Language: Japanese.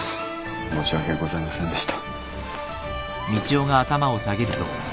申し訳ございませんでした。